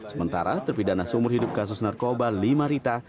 sementara terpidana seumur hidup kasus narkoba lima rita